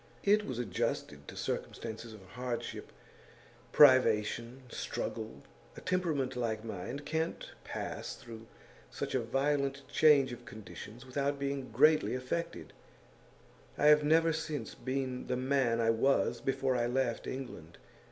It was adjusted to circumstances of hardship, privation, struggle. A temperament like mine can't pass through such a violent change of conditions without being greatly affected; I have never since been the man I was before I left England.